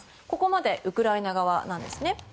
ここまでウクライナ側なんですね。